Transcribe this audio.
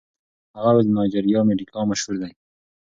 هغه وویل د نایجیریا مډیګا مشهور دی.